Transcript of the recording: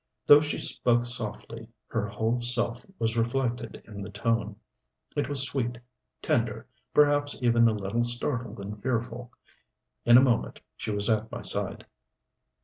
Though she spoke softly her whole self was reflected in the tone. It was sweet, tender, perhaps even a little startled and fearful. In a moment she was at my side.